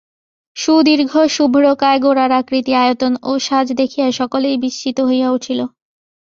সুদীর্ঘ শুভ্রকায় গোরার আকৃতি আয়তন ও সাজ দেখিয়া সকলেই বিস্মিত হইয়া উঠিল।